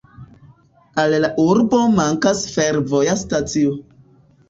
Al la urbo mankas fervoja stacio.